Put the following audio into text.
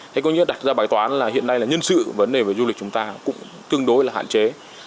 thế có nghĩa đặt ra bài toán là hiện nay là nhân sự vấn đề về du lịch chúng ta cũng tương đối là hạn chế